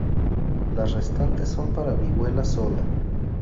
Las restantes son para vihuela sola.